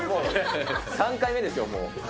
３回目ですよ、もう。